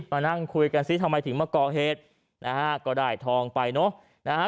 มานั่งคุยกันซิทำไมถึงมาก่อเหตุนะฮะก็ได้ทองไปเนอะนะฮะ